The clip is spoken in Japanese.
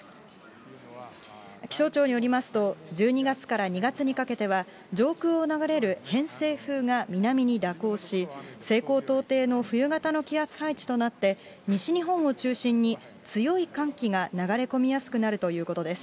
気象庁によりますと、１２月から２月にかけては、上空を流れる偏西風が南に蛇行し、西高東低の冬型の気圧配置となって、西日本を中心に、強い寒気が流れ込みやすくなるということです。